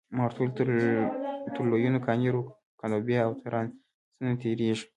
ما ورته وویل تر لویینو، کانیرو، کانوبایو او ترانزانو تیریږئ.